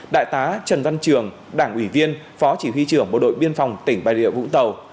đại tá trần văn trường đảng ủy viên phó chỉ huy trưởng bộ đội biên phòng tỉnh bà rịa vũng tàu